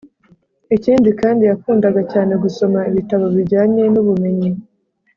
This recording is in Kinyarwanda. Ikindi kandi yakundaga cyane gusoma ibitabo bijyanye n’ubumenyi